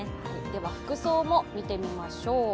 服装も見てみましょう。